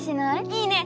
いいね！